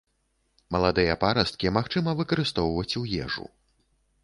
Маладыя парасткі магчыма выкарыстоўваць у ежу.